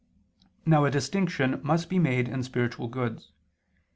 Now a distinction must be made in spiritual goods.